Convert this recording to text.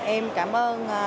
em cảm ơn